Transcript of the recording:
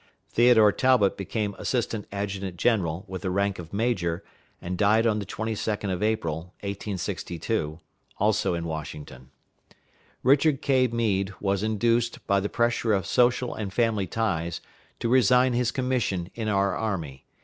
Theodore Talbot became assistant adjutant general, with the rank of major, and died on the 22d of April, 1862, also in Washington. Richard K. Meade was induced, by the pressure of social and family ties, to resign his commission in our army.